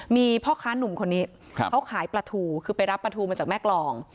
มีพ่อค้านุ่มคนนี้เขาขายปลาทูคือไปรับปลาทูมาจากแม่กรอง